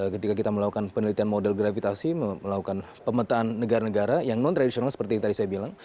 ketika kita melakukan penelitian model gravitasi melakukan pemetaan negara negara yang non tradisional seperti yang tadi saya bilang